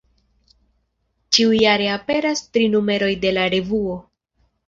Ĉiujare aperas tri numeroj de la revuo.